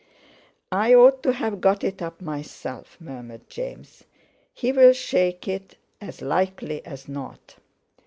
"I ought to have got it up myself," murmured James, "he'll shake it as likely as not."